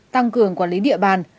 tăng cường quản lý địa bàn